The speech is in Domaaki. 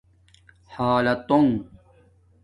حلاتݸنگ